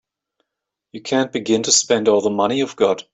You can't begin to spend all the money you've got.